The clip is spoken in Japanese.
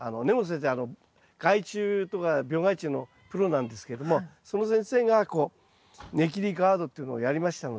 害虫とか病害虫のプロなんですけれどもその先生がこうネキリガードっていうのをやりましたので。